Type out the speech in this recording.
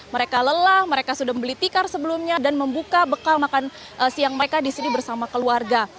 mereka lelah mereka sudah membeli tikar sebelumnya dan membuka bekal makan siang mereka di sini bersama keluarga